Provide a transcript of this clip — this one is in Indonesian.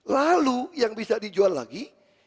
lalu yang bisa dijual lagi